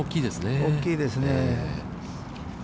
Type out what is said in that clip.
大きいですね。